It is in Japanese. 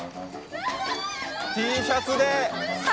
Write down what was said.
Ｔシャツで！